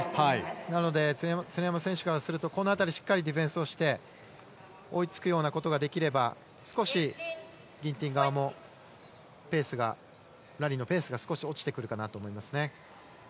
なので常山選手からするとしっかりディフェンスをして追いつくことができれば少しギンティン側もラリーのペースが少し落ちてくるかなと思います。